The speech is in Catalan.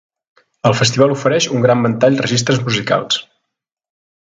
El festival ofereix un gran ventall registres musicals.